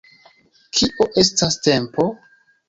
Kio estas tempo?